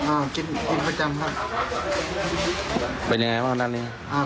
กินกินประจำครับเป็นยังไงบ้างร้านนี้อ่า